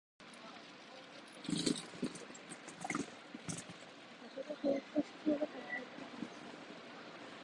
風がどうっと室の中に入ってきました